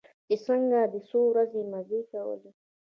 چې څنگه دې څو ورځې مزې کولې.